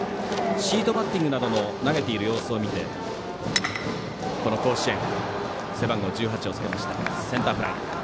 シートバッティングなどの投げている様子を見てこの甲子園背番号１８をつけました。